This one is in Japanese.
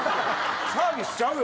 サービスちゃうよ